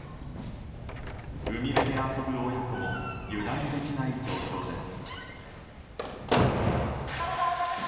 海辺で遊ぶ親子も油断できない状況です。